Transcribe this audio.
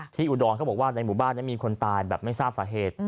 อุดรเขาบอกว่าในหมู่บ้านมีคนตายแบบไม่ทราบสาเหตุ